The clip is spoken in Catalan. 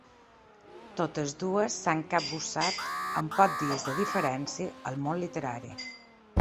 Totes dues s’han capbussat, amb pocs dies de diferència, al món literari.